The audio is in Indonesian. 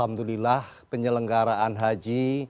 alhamdulillah penyelenggaraan haji